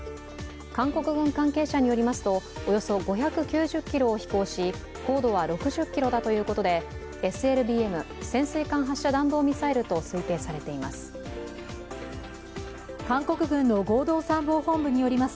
韓国軍関係者によりますとおよそ５９０ｋｍを飛行し高度は６０ｋｍだということでＳＬＢＭ＝潜水艦発射弾道ミサイルと推定されています。